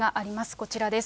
こちらです。